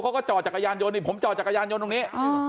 จอดจักรยานยนต์นี่ผมจอดจักรยานยนต์ตรงนี้